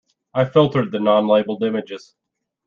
I filtered the non labelled images.